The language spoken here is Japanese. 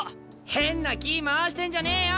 変な気ぃ回してんじゃねえよ。